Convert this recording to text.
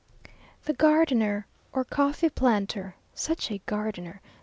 The gardener, or coffee planter such a gardener!